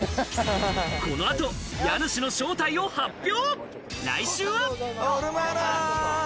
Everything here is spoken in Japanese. この後、家主の正体を発表。